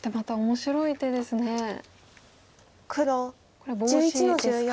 これボウシですか。